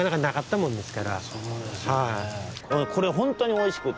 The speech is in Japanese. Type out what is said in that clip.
これほんとにおいしくて。